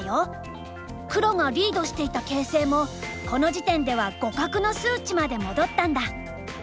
黒がリードしていた形勢もこの時点では互角の数値まで戻ったんだ。